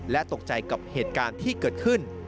และตกใจกับเหตุการณ์ที่เกิดขึ้น